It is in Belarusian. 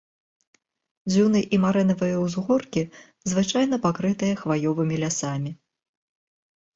Дзюны і марэнавыя ўзгоркі звычайна пакрытыя хваёвымі лясамі.